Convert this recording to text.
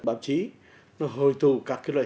báo chí hồi tù các loại truyền thông